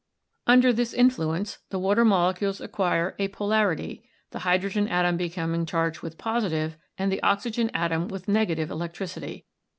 Under this influence the water molecules acquire a polarity, the hy drogen atom becoming charged with positive and the oxygen atom with negative electricity.